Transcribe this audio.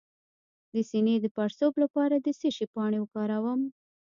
د سینې د پړسوب لپاره د څه شي پاڼې وکاروم؟